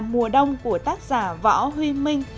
mùa đông của tác giả võ huy minh hà nội